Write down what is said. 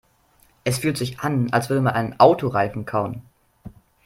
Es fühlt sich an, als würde man einen Autoreifen kauen.